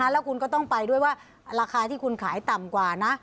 แล้วคุณก็ต้องไปด้วยว่าราคาที่คุณขายต่ำกว่านะ